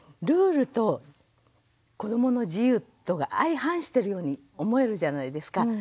ルールと子どもの自由とが相反してるように思えるじゃないですか。